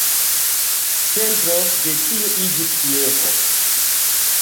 Centro de tiu iĝis Kievo.